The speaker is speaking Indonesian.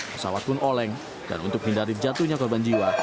pesawat pun oleng dan untuk hindari jatuhnya korban jiwa